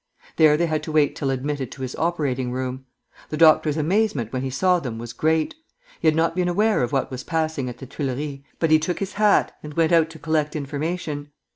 There they had to wait till admitted to his operating room. The doctor's amazement when he saw them was great; he had not been aware of what was passing at the Tuileries, but he took his hat, and went out to collect information.